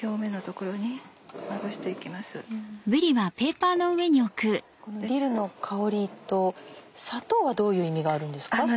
このディルの香りと砂糖はどういう意味があるんですか？